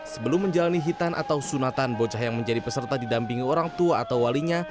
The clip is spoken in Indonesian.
sebelum menjalani hitan atau sunatan bocah yang menjadi peserta didampingi orang tua atau walinya